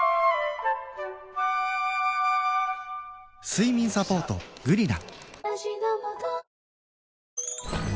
睡眠サポート「グリナ」